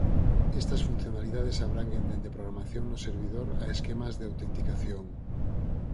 Estas funcionalidades abranguen dende programación no servidor a esquemas de autenticación.